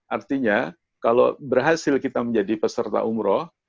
artinya kalau berhasil kita menjadi peserta umroh